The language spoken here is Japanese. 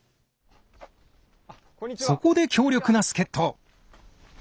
そこで強力な助っ人！